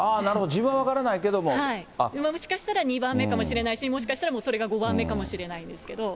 自分は分かもしかしたら２番目かもしれないし、もしかしたらそれが５番目かもしれないんですけれども。